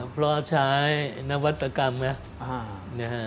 เพราะใช้นวัตกรรมนะ